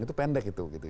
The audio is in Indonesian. itu pendek itu